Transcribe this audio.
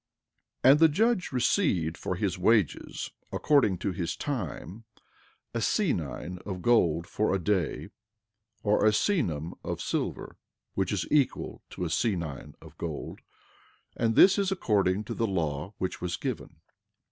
11:3 And the judge received for his wages according to his time—a senine of gold for a day, or a senum of silver, which is equal to a senine of gold; and this is according to the law which was given.